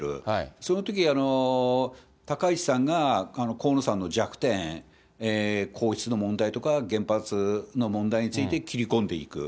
そのとき高市さんが河野さんの弱点、皇室の問題とか原発の問題について切り込んでいく。